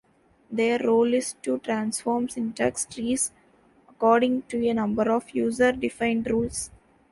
Their role is to transform syntax trees according to a number of user-defined rules.